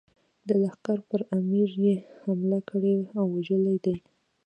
د لښکر پر امیر یې حمله کړې او وژلی دی.